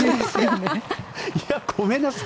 ごめんなさい。